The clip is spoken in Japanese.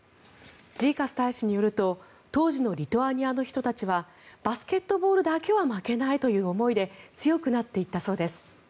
ジーカス大使によると当時のリトアニアの人たちはバスケットボールだけは負けないという思いで強くなっていったそうです。